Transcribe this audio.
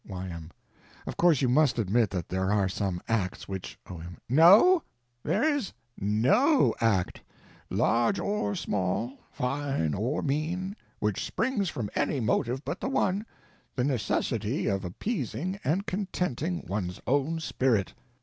Y.M. Of course you must admit that there are some acts which— O.M. No. There is no act, large or small, fine or mean, which springs from any motive but the one—the necessity of appeasing and contenting one's own spirit.